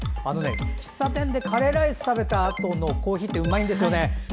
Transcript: あのね、喫茶店でカレーライスを食べたあとのコーヒーってうまいんですよね。